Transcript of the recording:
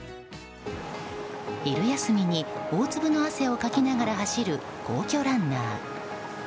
昼休みに大粒の汗をかきながら走る皇居ランナー。